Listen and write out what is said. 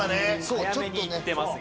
早めにいっていますが。